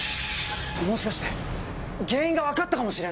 もしかして原因が分かったかも！